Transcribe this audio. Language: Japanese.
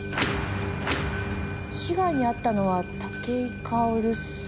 被害に遭ったのは武井薫さん。